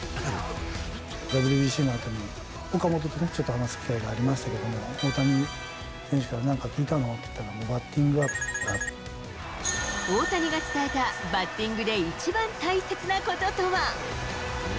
ＷＢＣのあとに岡本とちょっと話す機会がありましたけれども、大谷選手から何か聞いたの？って言ったら、大谷が伝えた、バッティングで一番大切なこととは。